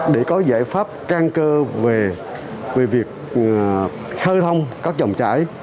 để có giải pháp trang cơ về việc khơi thông các dòng chảy